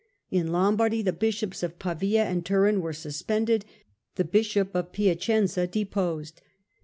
In Lombardy, the bishops of Pavia and Turin were suspended, the bishop of Piacenza deposed.